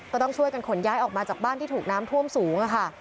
ต้องช่วยกันขนย้ายออกมาจากบ้านที่ถูกน้ำท่วมสูงค่ะ